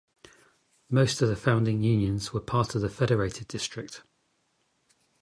Most of the founding unions were part of the Federated District.